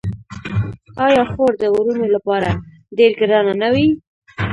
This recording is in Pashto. آیا خور د وروڼو لپاره ډیره ګرانه نه وي؟